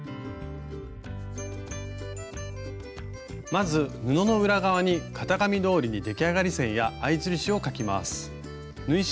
まず布の裏側に型紙どおりに出来上がり線や合い印を描きます。